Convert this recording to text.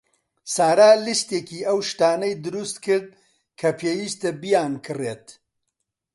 سارا لیستێکی ئەو شتانەی دروست کرد کە پێویستە بیانکڕێت.